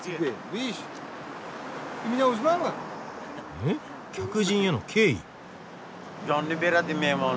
え客人への敬意。